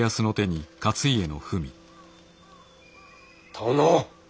殿！